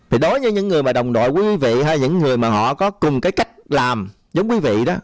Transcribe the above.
thì đối với những người mà đồng đội quý vị hay những người mà họ có cùng cái cách làm giống quý vị đó